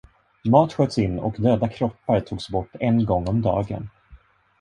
Mat sköts in och döda kroppar togs bort en gång om dagen.